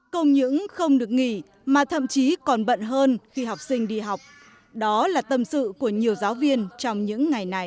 công những không được nghỉ mà thậm chí còn bận hơn khi học sinh đi học đó là tâm sự của nhiều giáo viên trong những ngày này